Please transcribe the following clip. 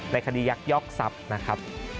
คดียักยอกทรัพย์นะครับ